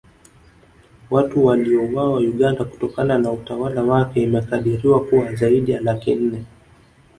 Watu waliouawa Uganda kutokana na utawala wake imekadiriwa kuwa zaidi ya laki nne